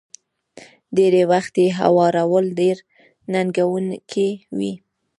ډېری وخت يې هوارول ډېر ننګوونکي وي.